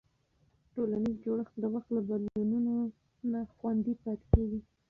ټولنیز جوړښت د وخت له بدلونونو نه خوندي پاتې کېږي.